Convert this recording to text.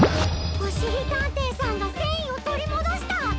おしりたんていさんがせんいをとりもどした！